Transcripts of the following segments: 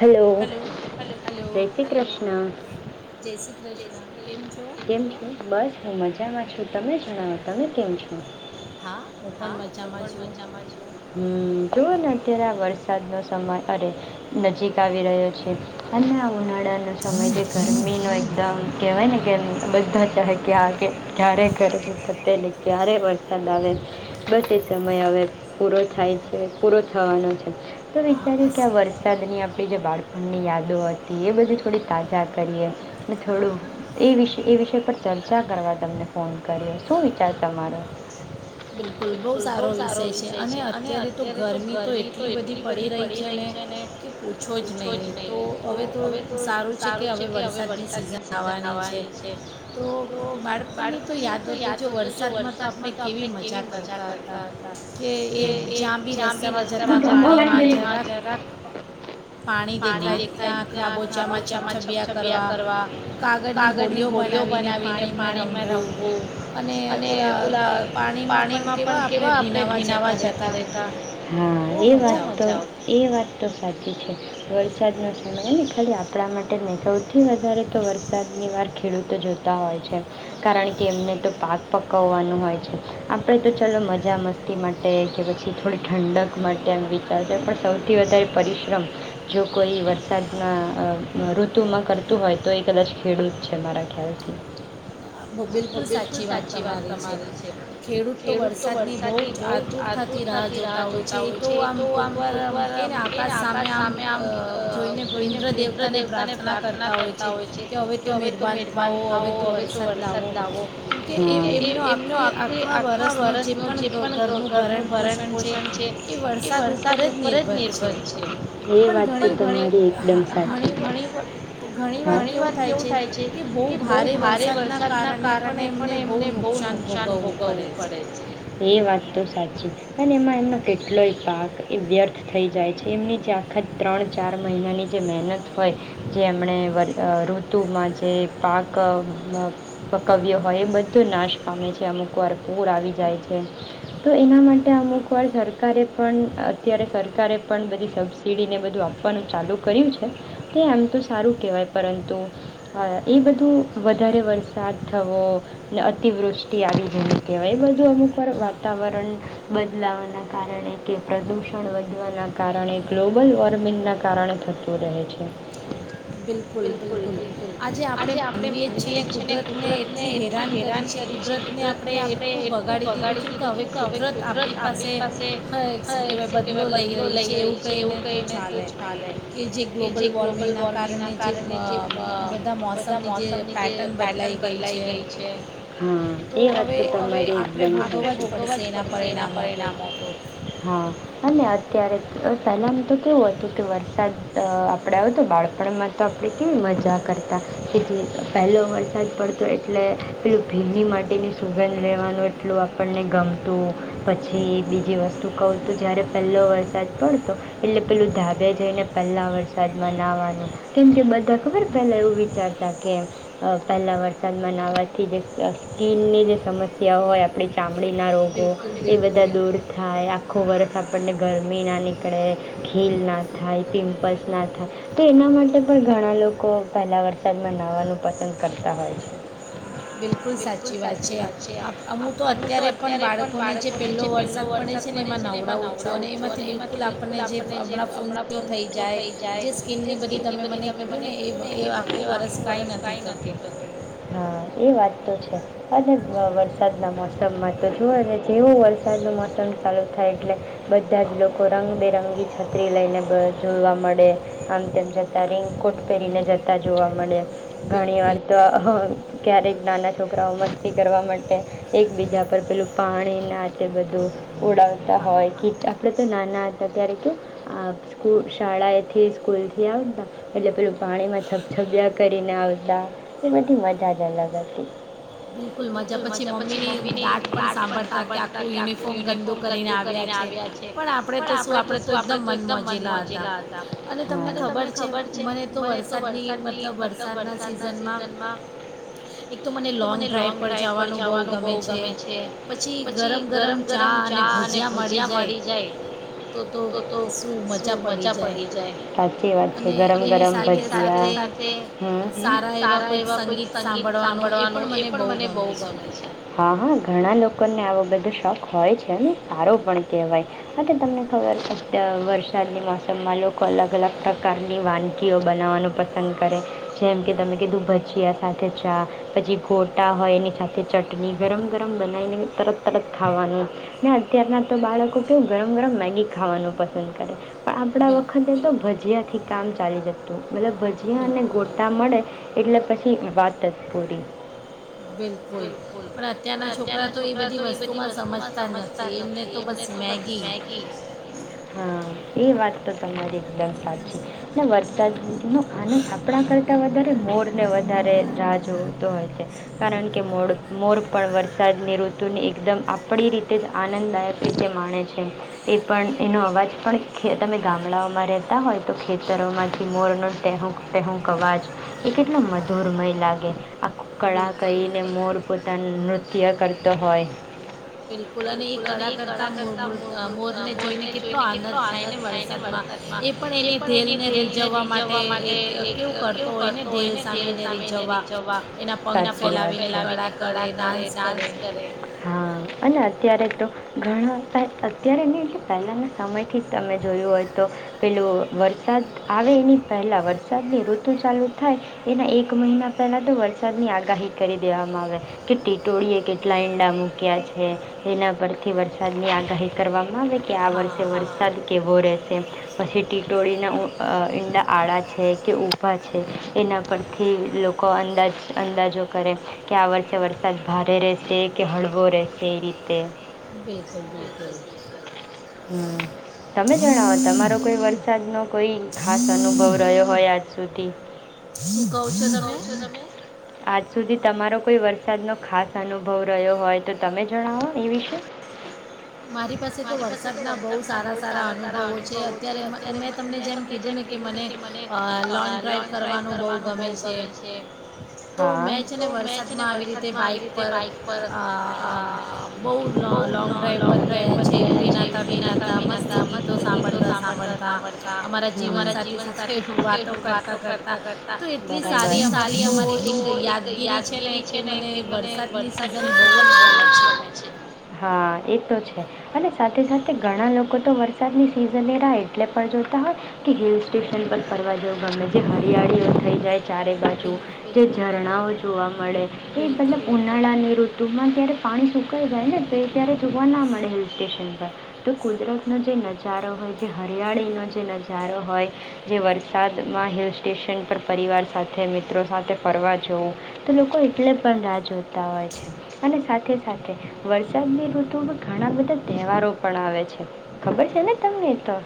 Hello જય શ્રી કૃષ્ણ કેમ છે બસ મજા. મજામાં છું તમે જણાવો તમે કેમ છો. હા હું પણ મજામાં છું. હમ જો ને અત્યારે વરસાદનો સમય અરે નજીક આવી રહ્યો છે અને આ ઉનાળા નો સમય જે ગરમીનો એકદમ કહેવાય ને કે બધા ચાહે કે આગે ક્યારે ગરમી થતે ને ક્યારે વરસાદ આવે બધ સમય હવે પૂરો થાય છે પૂરો થવાનો છે તો વિચાર્યું કે આ વરસાદ વરસાદની આપણી જે બાળપણની યાદો હતી એ બધી થોડી તાજા કરીએ ને થોડું એ વિષ એ વિષય પર ચર્ચા કરવા તમને ફોન કર્યો શું વિચાર તમારો. બિલકુલ બહુ સારો વિષય છે અને અત્યારે તો ગરમી તો એટલી બધી પડી રહી છે ને કે. પૂછો જ નહીં તો હવે તો સારું છે કે હવે વરસાદની સિઝન આવવાની છે તો બાળપણની તો યાદ હતો જો વરસાદમાં તો આપણે કેવી મજાક મજા કરતા હતા કે એ જ્યાં બી રસ્તામાં પાણી દેખાય ત્યાં ખાબોચામાં છબછબયા કરવા કાગળની હોડીઓ બનાવીને પાણીમાં રમવું અને ઓલા પાણીમાં પણ કેવા આપણે ભીનાવા જતા રેહતા હ એ વાત તો સાચ્ચી. છે વરસાદના સમય ને ખાલી આપણે આપણા માટે મે સૌથી વધારે તો વરસાદની વાર ખેડૂતો તો જોતા હોય છે કારણ કે એમને તો પાક પકવવાનું હોય છે આપણે તો ચલો મજા મસ્તી માટે કે પછી થોડી ઠંડક માટે એમ વિચારતા પણ સૌથી વધારે પરિશ્રમ જો કોઈ વરસાદના ઋતુમાં કરતું હોય તો એ કદાચ ખેડૂત છે મારા ખ્યાલથી. બિલકુલ સાચી વાત તમારી છે ખેડૂત તો વરસાદની બહુ જ આતુરતાથી રાહ જોતા હોય છે એ તો આમ કોઈકવાર આમ કહે ને આ આકાશ સામે આમ અ જોઈને ઇન્દ્રદેવતાને પ્રાર્થના કરતા હોય છે કે હવે તો મહેરબાન થાઓ હવે તો વરસાદ સાદ લાવો એમનો આખી આખા વર્ષ ન જે પણ ઘરનું ભરણ પોષણ છે એ વરસાદ ઉપર જ નિર્ભર એ વાત પણ તમારી એકદમ સાચી પણ ઘણી વાત કેવું થાય છે કે બહુ ભારે વરસાદ કારણે પણ એમને બહુ નુકસાન ભોગવવું પડે છે એ વાત તો સાચી પણ એમાં એમનું કેટલોય પાક એ વ્યર્થ થઈ જાય. જે એમની જે આખા ત્રણ ચાર મહિનાની જે મહેનત હોય જે એમણે વર ઋતુમાં જે પાક પકવ્ય હોય એ બધો નાશ પામે છે અમુકવાર પૂર આવી જાય છે. તો એના માટે અમુકવાર સરકારે પણ અત્યારે સરકારે પણ બધી સબસિડીને બધું આપવાનું ચાલુ કર્યું છે તે આમ તો સારું કહેવાય પરંતુ એ બધું વધારે વરસાદ થવો ને અતિવૃષ્ટિ આવી જને કહેવાય એ બધું અમુક વાર વાતાવરણ બદલાવાના કારણે કે પ્રદૂષણ વધવાના કારણે ગ્લોબલ વોર્મિંગના કારણે થતું રહે છે. બિલકુલ બિલકુલ આજે આપણે માનવીએ જ છે ને કુદરતને એટલી હેરાન કરી છે કુદરતને આપણે એટલું બગાડી દીધું છે ને કે હવે કુદરત આપણી પાસે હય શું કહેવાય બદલો લઈ. લઈ રહી છે એવું કહીને તો જ ચાલે કે જે ગ્લોબલ વોર્મિંગ. ગરમી ના કારણે જે બધા મોસમની જે પેટન બદલાઈ ગઈ છે હમ્મ એ વાત તો તમારી એકદમ સાચ્ચી આપણે ભોગવા જ પડશે એના પરિણામો તો. [inaudible] ત્યારે પહેલાં એમ તો કેવું હતું કે વરસાદ અ આપણે આવ્યતો બાળપણમાં તો આપણે કેવી મજા કરતા કે જે પહેલો વરસાદ પડતો એટલે પેલું ભીડી માટીની સુગંધ લેવાનુ એટલું આપણને ગમતું પછી બીજી વસ્તુ કહું તો જ્યારે પહેલો વર સાદ પડ એટલે પેલું ધાબે જઈને પહેલા વરસાદમાં નાવાનો કેમ કે બધા ખબર પહેલા એવું વિચારતા કે પહેલા વરસાદમાં નાહવાથી જે સ્કીનની જે સમસ્યા હોય આપણી ચામ મડીના રોગો એ બધા દૂર થાય. આખો વર્ષ આપણને ગરમી ના નિકળે. આપણે ખિલ ના થાય. પિમ્પલ્સ ના થાય તો એના માટે પણ ઘણા લોકો પહેલાં વરસાદમાં નહવાનું પસંદ કરતા હોય છે. બિલકુલ સાચી વાત છે. અમે તો અત્યારે પણ બાળકોને જે પહેલો વરસાદ પડે છે ને એમાં નવડાઉ છું અને એ હા એ વાત [inaudible] છે અને વરસાદના મોસમમાં તો જુઓ અને જેવો વરસાદનું મોસમ ચાલુ થાય એટલે બ બધા જ લોકો રંગબેરંગી છત્રી લઈને જોવા મળે, આમ તેમ જતાં, રેંગકોટ પહેરીને જતાં જોવા મળે ઘણી વાર તો અહ્ ક્યારેક નાના છોકરાઓ મસ્તી કરવા માટે એકબીજા પર પેલું પાણી ના તે બધું ઉડાવતા હોય કે એટલે નાના હતા ત્યારે કેવ. આ સ્કૂ શાળાએથી સ્કૂલથી આવતા એટલે પેલું પાણીમાં છબછબીયા કરીને આવતા એ બધી મજા જ અલગ હતી. બિલકુલ મજા પછી મમ્મીની દાટ પણ સાંભળતા કે આખું યુનિફોર્મ ગંદુ કરીને આવ્યા છે. પણ આપણે તો શું આપણે તો એકદમ મન મોજીલા હતા અને તમને ખબર છે મને તો વરસાદની મતલબ વરસાદના સિઝનમાં એક તો મને લોન્ગ લોંગ ડ્રાઈવ પર જવાનું બહુ ગમે છે પછી ગરમ-ગરમ ચા અને ભજીયા મળી જાય સાચી વાત છે ગરમ-ગરમ ભજીયા, હમ્મ. હા-હા ઘણા લોકોને આવો બધો શોખ હોય છે ને સારો પણ કહેવાય. હા તો તમને ખબર છે અ વરસાદની મોસમમાં લોકો અલગ-અલગ પ્રકારની વાનગીઓ બનાવવાનું પસંદ કરે. જેમ કે તમે કીધું ભજીયા સાથે ચા, પછી ગોટા હોય એની સાથે ચટણી ગરમ-ગરમ બનાઈને તરત-તરત ખાવાનું ને અત્યારના તો બાળકો તો ગરમ-ગરમ મેગી ખાવાનું પસંદ કરે. પણ આપણા વખતે તો ભજીયાથી કામ ચાલી જતું. મતલબ ભજીયા અને ગોટા મળે એટલે પછી વાત જ પૂરી બિલકુલ પણ અત્યારના છોકરા તો એ બધી વસ્તુમાં સમજતા નથી એમને તો બસ મેગી, હા એ વાત તો તમારી એકદમ સાચી ને વરસાદ નો આનંદ આપણા કરતાં તા વધારે મોરને વધારે રાહ જોતો હોય છે કારણ કે મોળ મોર પણ વરસાદની ઋતુની એકદમ આપણી રીતે જ આનંદદાયક રીતે માણે છે. છે એ પણ એનો અવાજ પણ ખે તમે ગામડાઓમાં રહેતા હોય તો ખેતરોમાંથી મોરનો ટેહુક-ટેહુક અવાજ એ કેટલો મધુરમય લાગે આ કળા કરીને મોર પોતાનું નૃત્ય કરતો હોય બિલકુલ અને એ કળા કર તા મોર-મોરને જોઈને કેટલો આનંદ થાયને વરસાદમાં એ પણ એની ઢેલ ને રીઝવવા માટે એક કેવું કરતો હોય નેે ઢેલ સામે એને રીઝવવા. સાચી વાત છે. એના પંખ ફેલાવીને કળા કરે ડાન્સ કરે, હા અને અત્યા અત્યારે તો ઘણા પ અત્યારે નહીં એટલે પહેલાંના સમયથી જ તમે જોયું હોય તો પેલું વરસાદ આવે એની પહેલાં વરસાદની ઋતુ ચાલુ થાય એના એક મહિના પહેલાં તો વરસાદની આગાહી કરી દેવામાં આવે કે ટીટોળીએ કેટલા ઈંડા મૂક્યા છે એના પરથી વરસાદની આગ ગાહી કરવામાં મા આવે કે આ વર્ષે વરસાદ કેવો રહેશે પછી ટીડોળીના ઉ અ ઈંડા આળા છે કે ઊભા છે એના પરથી લોકો અંદાજ અંદાજો કરે કે આ વર્ષે વરસાદ ભારે રહેશે કે હળવો રહેશે એ રીતે. બે. હમ તમે જણાવો તમારો કોઈ વરસાદ નો કોઈ ખાસ અનુભવ રહ્યો હોય આજ સુધી. શું કોવ છો તમે? આજ સુધી તમારો કોઈ વરસાદ નો ખાસ અનુભવ રહ્યો હોય તો તમે જણાવો એ વિશે. મારી પાસે તો વરસાદના બહુ સારા-સારા અનુભવો છે. અત્યારે મ મેં તમને જેમ કીધું ને કે મને લોંગ ડ્રાઈવ કરવાનું બહુ ગમે છે. તો મેં છે ને વરસાદમાં આવી રીતે બાઈક પર અ બહુ લો લોંગ ડ્રાઈવ ઉપર ગયા છે ભીનાતાં-ભીનાતાં, મસ્ત ગીતો સાંભળતાં-સાંભળતા અમારા જીવનસાથી સાથે વાતો કરતાં-કરતાં તો એટલી સારી અમારી તો એક યાદગીરી છે ને કે મને વરસાદની સિઝન બહુ જ ગમે છે. હા એક તો છે અને સાથે-સાથે ઘણા લોકો તો વરસાદની સિઝનની રાહ એટલે પણ જોતા હોય કે હિલસ્ટેશન પર ફરવા જેવું ગમે જે હરિયાળીઓ થઈ જાય ચારે બાજુ જે ઝરણાઓ જોવા મળે એ મતલબ ઉનાળાની ઋત રૂમાં જયારે પાણી સુકાઈ જાય ને તે ત્યારે જોવા ના મળે હિલ સ્ટેશન પર તો કુદરતનો જે નજારો હોય જે હરિયાળીનો જે નજારો હોય જે વરસાદમાં હિલ સ્ટેશન પર પરિવાર સાથે મિત્રો સાથે ફરવા જવું તો લોકો એટલે પણ રાહ જોતા હોય છે, અને સાથે સાથે વરસાદની ઋતુ તો ઘણા બધા તહેવારો પણ આવે છે ખબર છે ને તમને તો?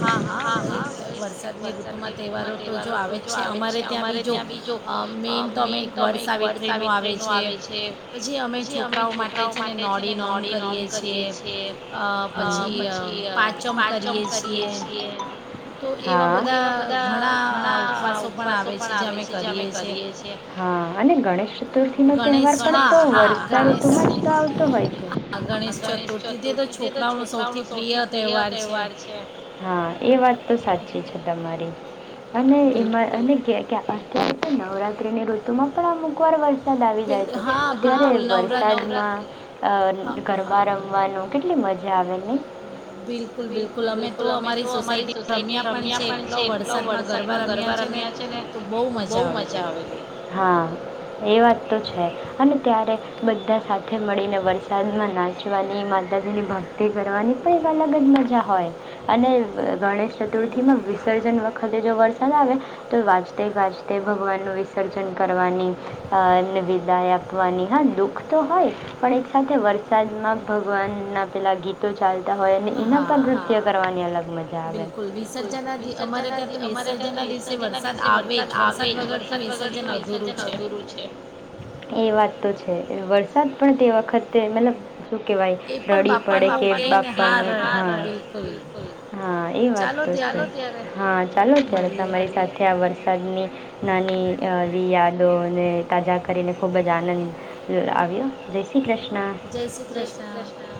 હા હા વરસાદની ઋતુમાં તહેવારો તો જો આવે જ છે અમારે ત્યાં બી જો મેઇન તો અમે એક વર સાાવિત્રીનો આવે છે પછી અમે છોકરાઓ માટે છે ને નોટ નોડી નોમ કરીએ છીએ અ પછી. પાંચમ કરીએ એવા છીએ બધા ઘણા ઉપવાસો પણ આવે છે અમે કરી અને ગણેશ ચતુર્થી નો તહેવાર પણ વરસાઋતુ માં જ તો આવે છે એ તો હોય જ ગણેશ ચતુર્થી તે તો છોકરાઓ ન સૌથી પ્રિય તહેવાર છે. હા એ વાત તો સાચી છે તમે મારી અને એ અને [unintelligible] કે અહીંતો નવરાત્રી ની ઋતુમાં પણ અમુકવાર વ સાદ આવી જાય છે ત્યારે વરસાદ ના અ ગરબા રમવા કેટલી મજા આવે. બિલકુલ બિલકુલ અમે તો અમારી સોસાયટી રમ્યા પણ છે. એટલો વરસાદમાં ગરબા રમ્યા છે ને તો બહુ મજા આવેલી. હા એ વાત તો છે અને ત્યારે બધા સાથે મળીને વરસાદમાં નાચવાની માતાજીની ભક્તિ કરવાની પણ એક અલગ જ મજા હોય અને વ ગણેશ ચતુર્થીમાં વિસર્જન વખ ખલે જો વરસાદ આવે તો વાજતે ગાજતે ભગવાનનું વિસર્જન કરવાની, એમને વિદાય આપવાની હા દુઃખ તો હોય પણ એક સાથે વરસાદમાં ભગવાનના પેલાં ગીતો ચાલ કરવાની એમા પણ નૃત્ય કરવાની અલગ મજા આવે. બિલકુલ વિસર્જન ત્યાં અમારે ત્યાં વિસર્જન ના દિવસે વરસાદ આવે જ વરસાદ વગર તો વિસર્જન અધૂરું છે. એ વાત તો છે એ વરસાદ પણ તે વખતે મતલબ શું કેવાય રડી પડે કે બાપાનું બાપાનું હ હા બિલકુલ હા એ વાત તો છે. હા ચાલો ત્યારે હા ચાલો ત્યારે તમારી સાથે આ વરસાદની નાની એવી યાદોને તાજા કરીને ખૂબ જ આનંદ લ આવ્યો. જય શ્રી કૃષ્ણ. ના જય શ્રી કૃષ્ણ.